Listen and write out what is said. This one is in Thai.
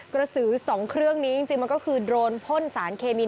กระสือ๒เครื่องนี้จริงมันก็คือโดรนพ่นสารเคมี